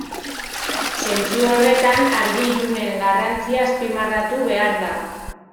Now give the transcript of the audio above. Zentzu horretan argi-ilunen garrantzia azpimarratu behar da.